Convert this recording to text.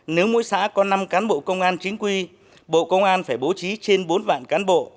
nếu mỗi xã có năm cán bộ công an chính quy bộ công an phải bố trí trên bốn vạn cán bộ